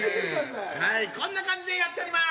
はいこんな感じでやっております。